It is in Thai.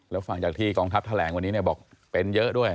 แล้วฟังจากที่กองทัพแถลงวันนี้เนี่ยบอกเป็นเยอะด้วย